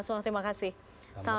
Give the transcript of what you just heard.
seger bang ya